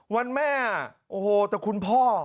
วันแม่โอ้โหแต่คุณพ่อ